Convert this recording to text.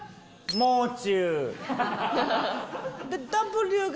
もう中！